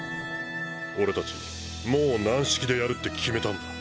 俺たちもう軟式でやるって決めたんだ。